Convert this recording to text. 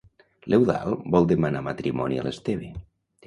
L'Eudald vol demanar matrimoni a l'Esteve.